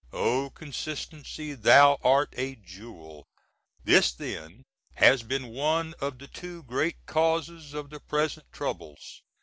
"Oh! consistency, thou art a jewel!" This then has been one of the two great causes of the present troubles.